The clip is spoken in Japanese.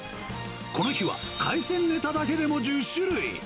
この日は海鮮ネタだけでも１０種類。